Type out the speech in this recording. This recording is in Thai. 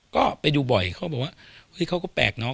ก็ไปดูบ่อยเขาบอกว่าเฮ้ยเขาก็แปลกเนาะ